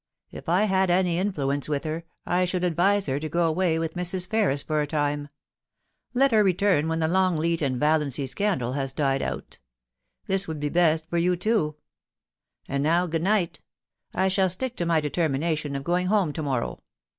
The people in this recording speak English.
If I had any influ ence with her, I should advise her to go away with Mrs. Ferris for a time. Let her return when the Longleat and BEFORE THE OPENING OF PARLIAMENT. 379 Valiancy scandal has died out This would be best for you too. And now good night ! I shall stick to my determina tion of going home to morrow.